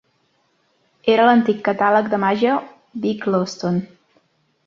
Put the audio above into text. Era l'antic catàleg de màgia "Vick Lawston".